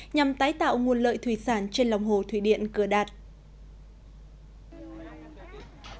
nhằm tái tạo nguồn lợi thủy sản trên lòng hồ thủy điện cửa đạt